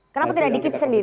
kenapa tidak dikit sendiri